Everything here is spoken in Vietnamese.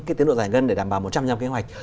cái tiến độ giải ngân để đảm bảo một trăm linh kế hoạch